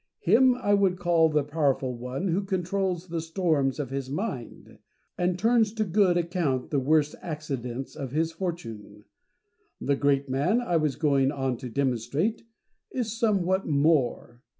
Him I would call the powerful one who controls the storms of his mind, and turns to good account the worst accidents of his fortune. The great man, I was going on to demonstrate, is somewhat more.